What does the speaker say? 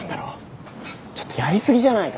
ちょっとやり過ぎじゃないか？